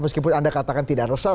meskipun anda katakan tidak resah